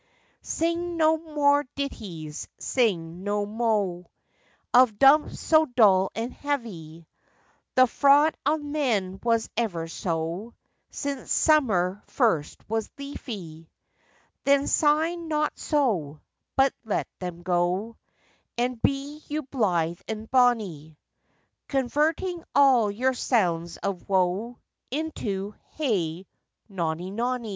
Sing no more ditties, sing no moe Of dumps so dull and heavy; The fraud of men was ever so, Since summer first was leafy. Then sigh not so, But let them go, And be you blithe and bonny, Converting all your sounds of woe Into, Hey nonny, nonny.